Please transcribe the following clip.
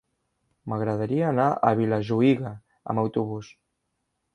M'agradaria anar a Vilajuïga amb autobús.